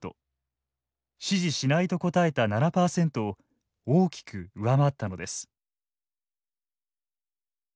「支持しない」と答えた７％を大きく上回ったのです。